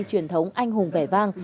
truyền thống anh hùng vẻ vang